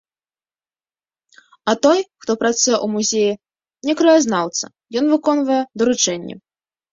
А той, хто працуе ў музеі,— не краязнаўца, ён выконвае даручэнні.